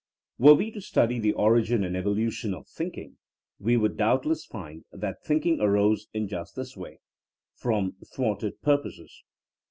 Were we to study the origin and evolution of thinking, we would doubtless find that think ing arose in just this way — ^from thwarted pur poses.